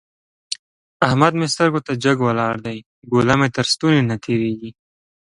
احمد مې سترګو ته جګ ولاړ دی؛ ګوله مې تر ستوني نه تېرېږي.